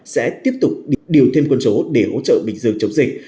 sẽ tiếp tục điều thêm quân số để hỗ trợ bình dương chống dịch